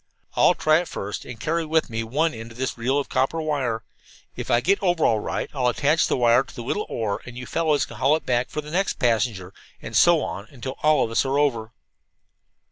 I'll try it first, and carry with me one end of this reel of copper wire. If I get over all right I'll attach the wire to the little oar and you fellows can haul it back for the next passenger, and so on until all of us are over."